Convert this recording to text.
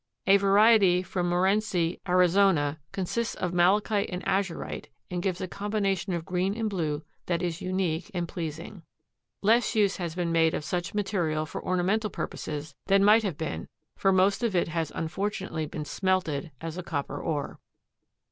A variety from Morenci, Arizona, consists of malachite and azurite and gives a combination of green and blue that is unique and pleasing. (See colored plate.) Less use has been made of such material for ornamental purposes than might have been for most of it has unfortunately been smelted as a copper ore.